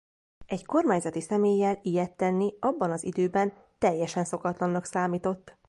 Egy kormányzati személlyel ilyet tenni abban az időben teljesen szokatlannak számított.